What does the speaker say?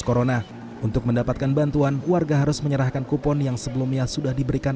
corona untuk mendapatkan bantuan warga harus menyerahkan kupon yang sebelumnya sudah diberikan